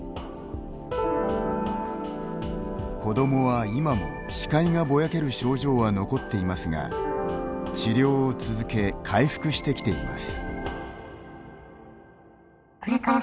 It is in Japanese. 子どもは今も視界がぼやける症状は残っていますが治療を続け、回復してきています。